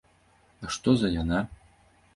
А што за яна?